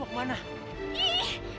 mau kemana lagi sih